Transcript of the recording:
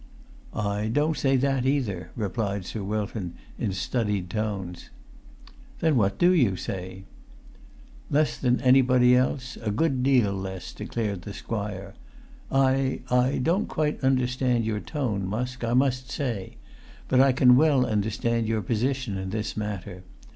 "I don't say that, either," replied Sir Wilton, in studied tones. "Then what do you say?" "Less than anybody else, a good deal less," declared the squire. "I—I don't quite understand your tone, Musk, I must say; but I can well understand your position in this matter.